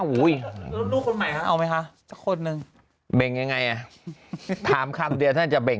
ดูแลเขาน้อ